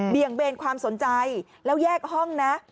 เบนความสนใจแล้วแยกห้องนะ